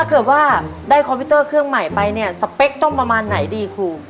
ถ้าเกิดว่าได้คอมพิวเตอร์เครื่องใหม่ไปเนี่ยสเปคต้องประมาณไหนดีครู